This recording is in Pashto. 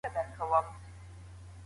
دا اړتیا د دوی ترمنځ اړیکه جوړوي.